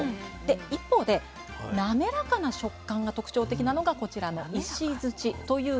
一方でなめらかな食感が特徴的なのがこちらの「石」という品種です。